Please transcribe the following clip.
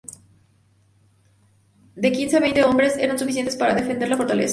De quince a veinte hombres eran suficientes para defender la fortaleza.